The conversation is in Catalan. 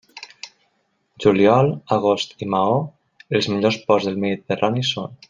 Juliol, agost i Maó, els millors ports del Mediterrani són.